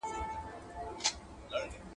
چي نه کړې اېسکۍ، يا به خره کړې، يا به سپۍ.